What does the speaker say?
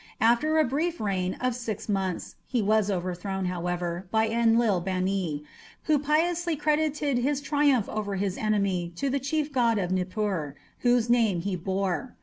After a brief reign of six months he was overthrown, however, by Enlil bani, who piously credited his triumph over his enemy to the chief god of Nippur, whose name he bore.